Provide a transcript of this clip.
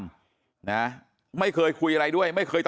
มันต้องการมาหาเรื่องมันจะมาแทงนะ